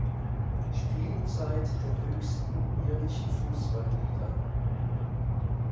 Spielzeit der höchsten irischen Fußballliga.